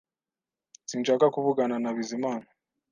Sinshaka kuvugana na Bizimana